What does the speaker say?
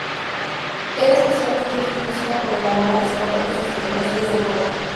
Era especialmente bien conocida por elaborar encuadres de fotografías de boda.